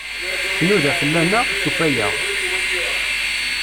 Tnuda fell-aneɣ, tufa-aɣ.